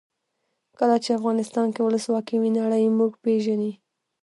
کله چې افغانستان کې ولسواکي وي نړۍ موږ پېژني.